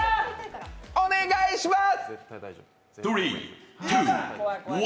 お願いします！